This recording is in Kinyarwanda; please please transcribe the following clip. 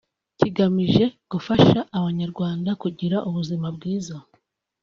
kigamije gufasha Abanyarwanda kugira ubuzima bwiza